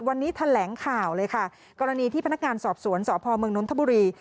วันนี้แถลงข่าวเลยค่ะกรณีที่พนักงานสอบสวนสพเมืองนทบุรี